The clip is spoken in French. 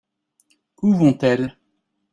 Où vont-elles ?